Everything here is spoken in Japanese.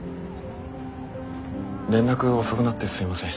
連絡遅くなってすいません。